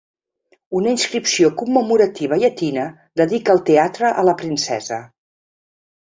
Una inscripció commemorativa llatina dedica el teatre a la princesa.